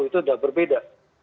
itu sudah berbeda